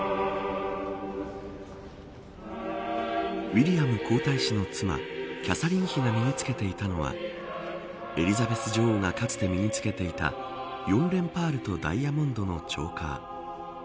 ウィリアム皇太子の妻キャサリン妃が身に着けていたのはエリザベス女王がかつて身に着けていた４連パールとダイヤモンドのチョーカー。